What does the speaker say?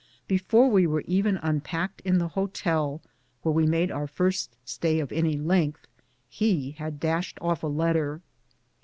Before we were even unpacked in the hotel, where we made our first stay of any length, he had dashed off a letter.